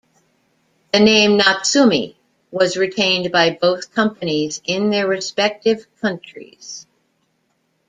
The name "Natsume" was retained by both companies in their respective countries.